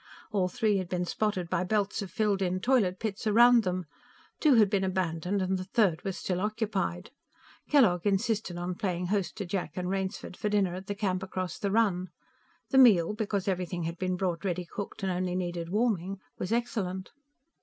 All three had been spotted by belts of filled in toilet pits around them; two had been abandoned and the third was still occupied. Kellogg insisted on playing host to Jack and Rainsford for dinner at the camp across the run. The meal, because everything had been brought ready cooked and only needed warming, was excellent.